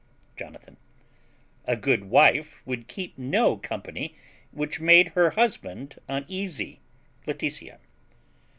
Jonathan. A good wife would keep no company which made her husband uneasy. Laetitia.